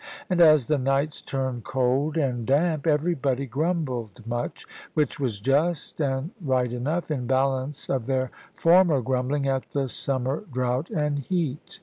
And as the nights turned cold and damp, everybody grumbled much; which was just and right enough, in balance of their former grumbling at the summer drought and heat.